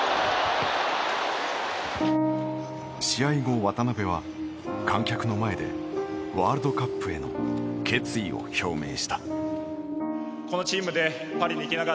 試合後、渡邊は観客の前でワールドカップへの決意を表明した。